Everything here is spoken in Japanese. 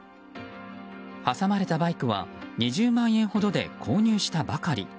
挟まれたバイクは２０万円ほどで購入したばかり。